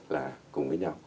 là cùng với nhau